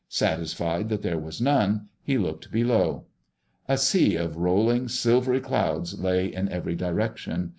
Satisfied that there was none, he looked below. A sea of rolling, silvery clouds lay in every direction.